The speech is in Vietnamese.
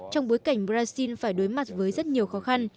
trong bối cảnh brazil phải đối mặt với rất nhiều khó khăn